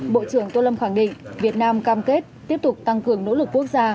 bộ trưởng tô lâm khẳng định việt nam cam kết tiếp tục tăng cường nỗ lực quốc gia